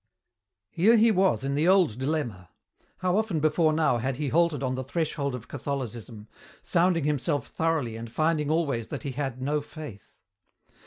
Here he was in the old dilemma. How often before now had he halted on the threshold of Catholicism, sounding himself thoroughly and finding always that he had no faith.